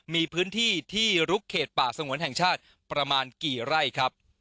มีพื้นที่ที่ลุกเขตป่าสงวนแห่งชาติประมาณกี่ไร่ครับ